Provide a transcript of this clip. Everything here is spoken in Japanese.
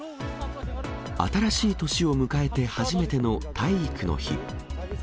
新しい年を迎えて初めての体育の日。